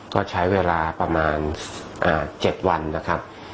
ก็ใช้เวลาประมาณ๗วันนะครับ